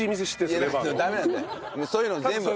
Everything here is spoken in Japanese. そういうの全部。